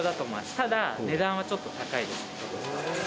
ただ、値段はちょっと高いです。